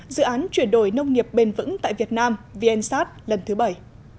dự án chuyển đổi nông nghiệp bền vững tại việt nam vnsat lần thứ bảy